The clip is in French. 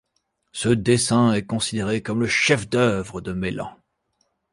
Ce dessin est considéré comme le chef-d'œuvre de Mellan.